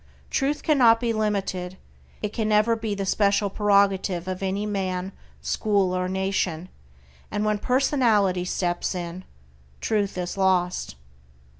Truth cannot be limited; it can never be the special prerogative of any man, school, or nation, and when personality steps in, Truth is lost.